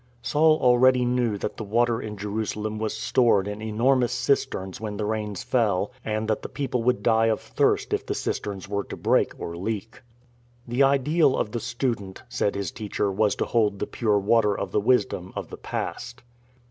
Saul already knew that the water in Jerusalem was stored in enormous cisterns when the rains fell, and that the people would die of thirst if the cisterns were to break or leak. The ideal of the student, said his teacher, was to hold the pure water of the wisdom of the past.